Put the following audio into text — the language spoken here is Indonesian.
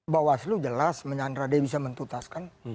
bawaslu jelas menyandra dia bisa mentutaskan